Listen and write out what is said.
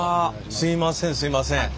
すいませんすいません。